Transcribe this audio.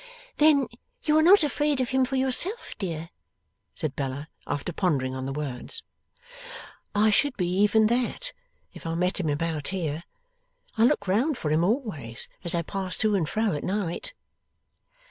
'Then you are not afraid of him for yourself, dear?' said Bella, after pondering on the words. 'I should be even that, if I met him about here. I look round for him always, as I pass to and fro at night.